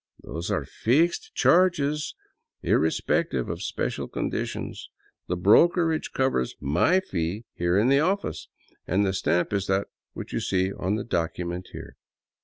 " Those are fixed charges, irrespective of special conditions. The brokerage covers my fee here in the office, and the stamp is that which you see on the document here.